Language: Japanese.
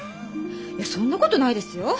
いやそんなことないですよ！